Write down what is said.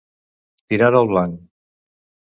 Tirar al blanc.